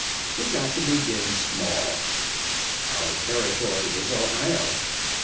We've got to begin small. Our territory is Ohio.